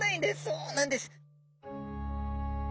そうなんです。